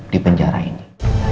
di penjara ini